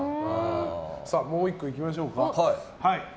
もう１個いきましょうか。